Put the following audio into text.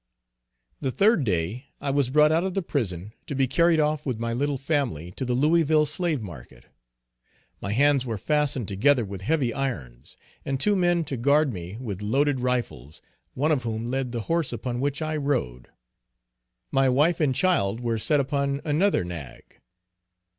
The third day I was brought out of the prison to be carried off with my little family to the Louisville slave market. My hands were fastened together with heavy irons, and two men to guard me with loaded rifles, one of whom led the horse upon which I rode. My wife and child were set upon another nag.